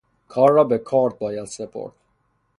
کار را به کارد باید سپرد.